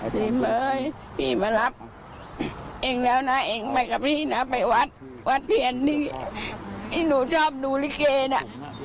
พี่เมย์พี่มารับเองแล้วนะเองไปกับพี่นะไปวัดวัดเทียนนี่ที่หนูชอบดูลิเกน่ะ